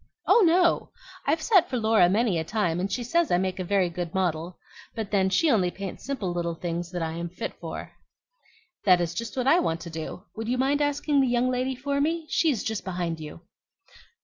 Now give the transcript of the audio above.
"Oh, no. I've sat for Laura many a time, and she says I make a very good model. But then, she only paints simple little things that I am fit for." "That is just what I want to do. Would you mind asking the young lady for me? She is just behind you."